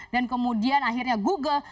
dan kemudian akhirnya google